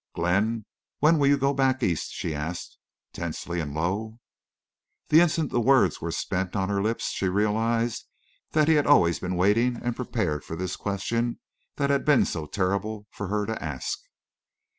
"Glenn—when will you go back East?" she asked, tensely and low. The instant the words were spent upon her lips she realized that he had always been waiting and prepared for this question that had been so terrible for her to ask.